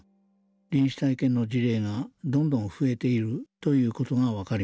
臨死体験の事例がどんどん増えている事が分かりました。